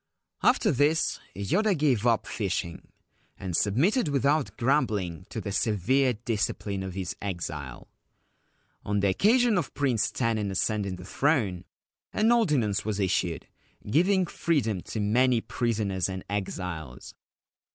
After this Yoda gave up fishing, and submitted without grumbling to the severe discipline of his exile. On the occasion of Prince Tanin ascending the throne, an ordinance was issued giving freedom to many prisoners 199 Ancient Tales and Folklore of Japan and exiles.